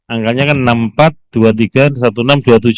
angkanya kan di kecamatan itu